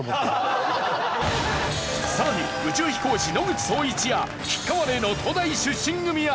さらに宇宙飛行士野口聡一や菊川怜の東大出身組や。